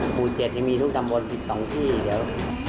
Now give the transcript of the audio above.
หมู่๗นี่มีทุกตำบล๑๒ที่เดี๋ยว